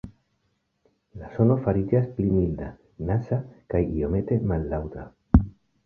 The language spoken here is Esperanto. La sono fariĝas pli milda, "naza" kaj iomete mallaŭta.